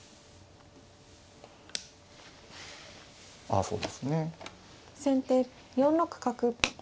あそうですね。先手４六角。